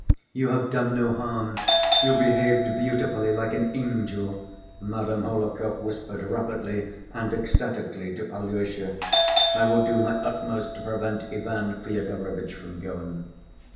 "You have done no harm. You behaved beautifully, like an angel," Madame Hohlakov whispered rapidly and ecstatically to Alyosha. "I will do my utmost to prevent Ivan Fyodorovitch from going."